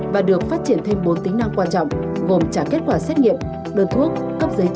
và được phát triển thêm bốn tính năng quan trọng gồm trả kết quả xét nghiệm đơn thuốc cấp giấy chứng